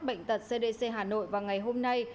bệnh tật cdc hà nội vào ngày hôm nay